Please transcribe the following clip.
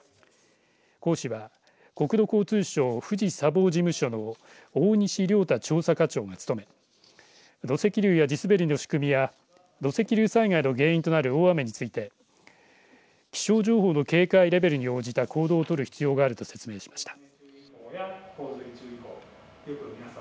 講師は国土交通省富士砂防事務所の大西竜太調査課長が務め土石流や地滑りの仕組みや土石流災害の原因となる大雨について気象情報の警戒レベルに応じた行動を取る必要があると説明しました。